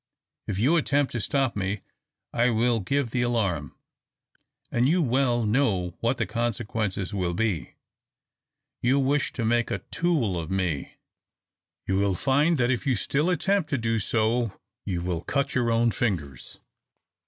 If you attempt to stop me I will give the alarm, and you well know what the consequences will be. You wish to make a tool of me you will find that if you still attempt to do so, you will cut your own fingers."